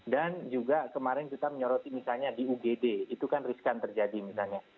dan juga kemarin kita menyoroti misalnya di ugd itu kan riskan terjadi misalnya